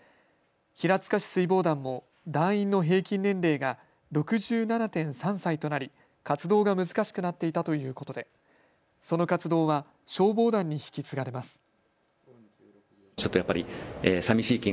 平塚市水防団も団員の平均年齢が６７．３歳となり活動が難しくなっていたということでその活動は消防団に引き継がれます。